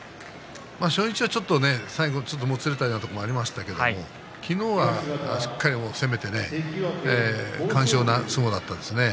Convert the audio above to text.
初日は、ちょっと最後もつれたところもありましたけれども昨日はしっかりと攻めて完勝の相撲だったですね。